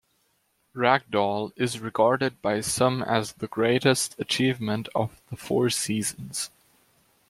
"Rag Doll" is regarded by some as the greatest achievement of the Four Seasons.